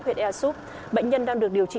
huyện ea su bệnh nhân đang được điều trị